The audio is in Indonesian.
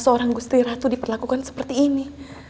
seorang gusti ratu diperlakukan seperti ini